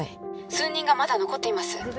数人がまだ残っています